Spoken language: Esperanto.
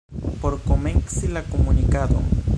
Por komenci la komunikadon.